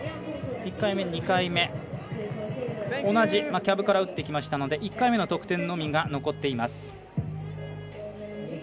１回目、２回目同じキャブから打っていきましたので１回目の得点のみが残っています。